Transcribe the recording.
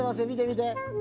みてみて。